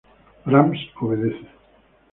Brahms obedece.